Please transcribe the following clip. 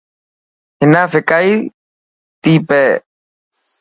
حنا ڦڪائي تي پئي.